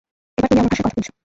এবার তুমি আমার ভাষায় কথা বলছ।